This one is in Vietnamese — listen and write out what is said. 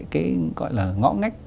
cái gọi là ngõ ngách